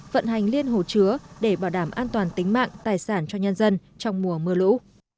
vận hành liên hồ chứa để bảo đảm an toàn tính mạng tài sản cho nhân dân trong mùa mưa lũ